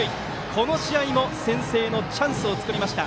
この試合も先制のチャンスを作りました。